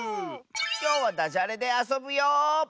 きょうはダジャレであそぶよ！